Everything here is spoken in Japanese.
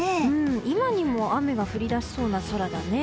今にも雨が降り出しそうな空だね。